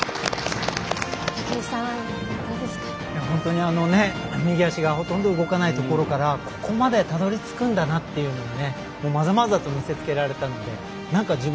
本当に右足がほとんど動かないところからここまで、たどりつくんだなっていうのがねまざまざと見せつけられたのでなんか